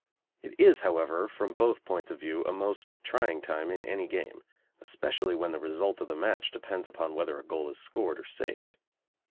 It is, however, from both points of view a most trying time in any game, especially when the result of the match depends upon whether a goal is scored or saved.